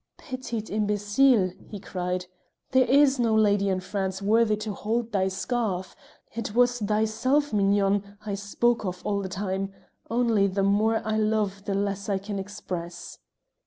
"Petite imbecile!" he cried, "there is no lady in France worthy to hold thy scarf; 'twas thyself, mignonne, I spoke of all the time; only the more I love the less I can express."